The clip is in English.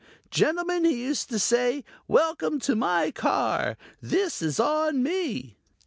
Gentlemen, he used to say, welcome to my car. This is on me."